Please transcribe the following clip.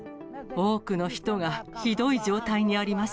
多くの人がひどい状態にあります。